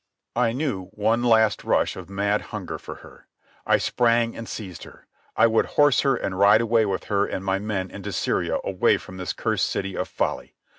I knew one last rush of mad hunger for her. I sprang and seized her. I would horse her and ride away with her and my men into Syria away from this cursed city of folly.